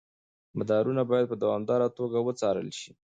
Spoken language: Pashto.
مدارونه باید په دوامداره توګه وڅارل شي.